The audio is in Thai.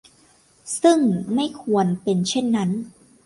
ซึ่งไม่ควรเป็นเช่นนั้น